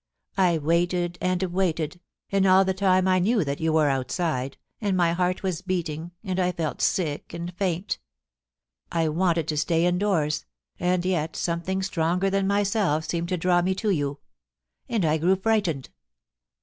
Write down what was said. ... I waited and waited, and all the time I knew that you were outside, and my heart was beat ing, and I felt sick and faint I wanted to stay indoors, and yet something stronger than myself seemed to draw mc to you. ... And I grew frightened.